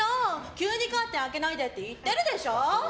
急にカーテン開けないでって言ってるでしょ！